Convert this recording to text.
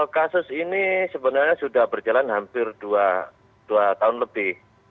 kasus ini sebenarnya sudah berjalan hampir dua tahun lebih